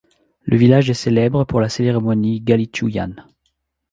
Le village est célèbre pour la cérémonie Ghalichuyan.